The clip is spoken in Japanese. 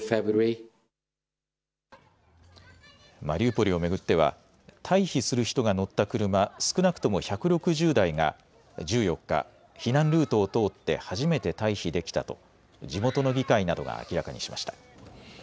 マリウポリを巡っては退避する人が乗った車少なくとも１６０台が１４日、避難ルートを通って初めて退避できたと地元の議会などが明らかにしました。